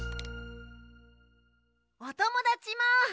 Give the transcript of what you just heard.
おともだちも。